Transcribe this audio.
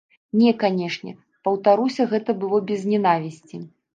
Не, канечне, паўтаруся гэта было без нянавісці.